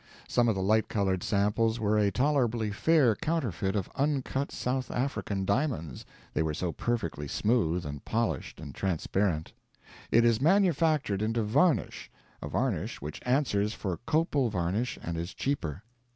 Some of the light colored samples were a tolerably fair counterfeit of uncut South African diamonds, they were so perfectly smooth and polished and transparent. It is manufactured into varnish; a varnish which answers for copal varnish and is cheaper.